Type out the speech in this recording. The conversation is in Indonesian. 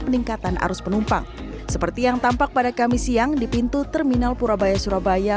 peningkatan arus penumpang seperti yang tampak pada kamis siang di pintu terminal purabaya surabaya